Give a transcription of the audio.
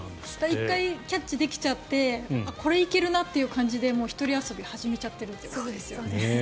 １回キャッチできちゃってこれ、いけるなって感じで１人遊びを始めちゃってるってことですよね。